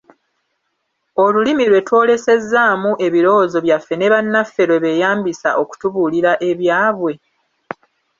Olulimi lwe twolesezaamu ebirowoozo byaffe ne bannaffe lwe beeyambisa okutubuulira ebyabwe?